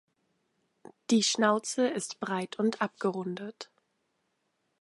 Die Schnauze ist breit und abgerundet.